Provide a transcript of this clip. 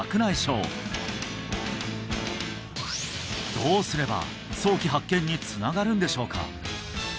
どうすれば早期発見につながるんでしょうか？